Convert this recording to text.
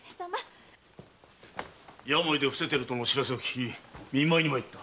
病で伏せているとの報せを聞き見舞いに参った。